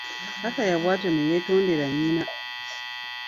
Akaya bw'atyo ne yeetondera nnyina.